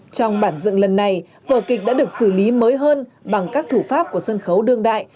trong bản dựng lần này vở kịch đã được xử lý mới hơn bằng các thủ pháp của sân khấu đương đại